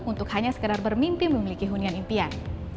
untuk hanya sekedar bermimpi memiliki hunian impian